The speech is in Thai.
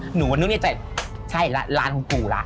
หนูวันนี้ใจใช่แล้วหลานของกูล่ะ